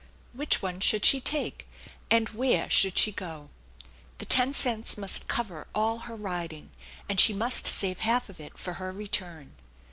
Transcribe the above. Which one should she take, and where should she THE ENCHANTED BARN 9 go? The ten cents must cover all her riding, and she must save half of it for her return.